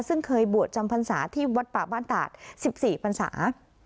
ซึ่งเคยบวชจำพรรษาที่วัดป่าบ้านตาด๑๔พันศา